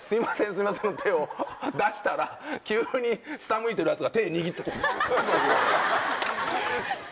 すいませんの手を出したら急に下向いてるヤツが手握って。